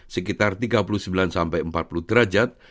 sekitar tiga puluh sembilan sampai empat puluh derajat